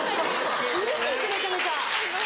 うれしいですめちゃめちゃ。